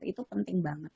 itu penting banget